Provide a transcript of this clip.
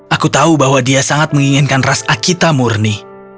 aku tahu bahwa dia sangat menginginkan ras akita murni